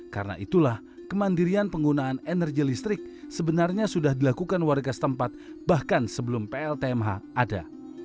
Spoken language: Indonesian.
karena itulah kemandirian penggunaan energi listrik sebenarnya sudah dilakukan warga setempat bahkan sebelum pltmh ada